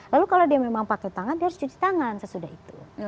lalu kalau dia memang pakai tangan dia harus cuci tangan sesudah itu